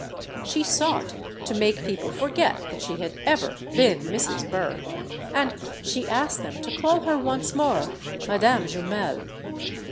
She sought to make people forget that she had ever been Mrs. Burr, and she asked them to call her, once more, "Madame Jumel."